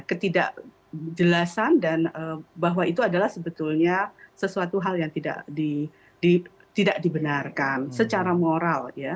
ketidakjelasan dan bahwa itu adalah sebetulnya sesuatu hal yang tidak dibenarkan secara moral ya